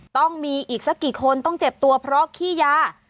ต้องมีอีกสักกี่คนต้องเจ็บตัวเพราะขี้ยา